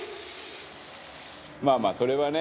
「まあまあそれはね」